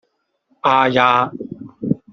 啊呀